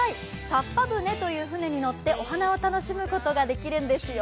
サッパ船という船に乗ってお花を楽しむことができるんですよ。